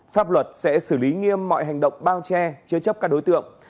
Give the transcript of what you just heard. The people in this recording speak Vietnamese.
pháp luật sẽ xử lý nghiêm mọi hành động bao che chế chấp các đối tượng